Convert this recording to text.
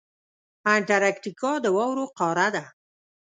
انټارکټیکا د واورو قاره ده.